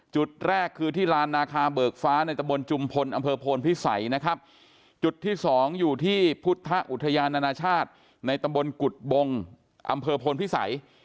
จุดแรกคือที่ลานนาคาเบิกฟ้าในตะบนจุมพลอำเภอโพนพิสัยนะครับจุดที่สองอยู่ที่พุทธอุทยานานานาชาติในตำบลกุฎบงอำเภอโพนพิสัย